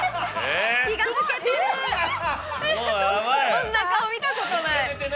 こんな顔見たことない。